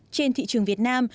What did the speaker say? trên thị trường việt nam